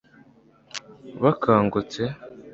bakangutse